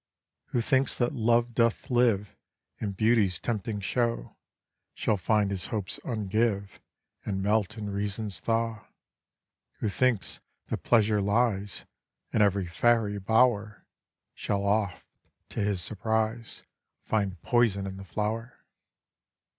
Who thinks that love doth live In beauty's tempting show, Shall find his hopes ungive, And melt in reason's thaw; Who thinks that pleasure lies In every fairy bower, Shall oft, to his surprise, Find poison in the flower.